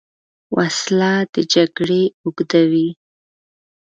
وسله د جګړې اوږدوې